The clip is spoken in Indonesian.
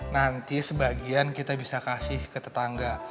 nanti sebagian kita bisa kasih ke tetangga